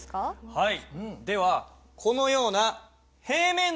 はい。